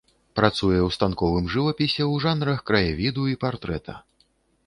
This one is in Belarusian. Працуе ў станковым жывапісе ў жанрах краявіду і партрэта.